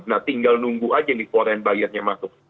nah tinggal nunggu aja nih foreign buyer nya masuk